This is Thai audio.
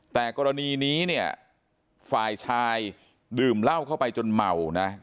แต่กรณีนี้เนี่ยฝ่ายชายดื่มเหล้าเข้าไปจนเมานะ